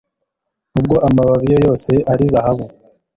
nubwo amababi ye yose ari zahabu